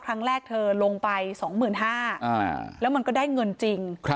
ครั้งแรกเธอลงไป๒๕๐๐บาทแล้วมันก็ได้เงินจริง